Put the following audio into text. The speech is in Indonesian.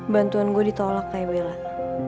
bantuan gue ditolak kayak bela